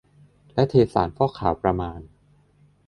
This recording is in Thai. และเทสารฟอกขาวประมาณ